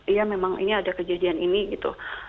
iya memang ini ada kejadian ini gitu